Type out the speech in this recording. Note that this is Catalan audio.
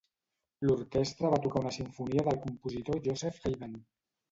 L'orquestra va tocar una simfonia del compositor Joseph Haydn.